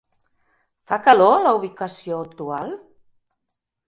Fa calor a la ubicació actual?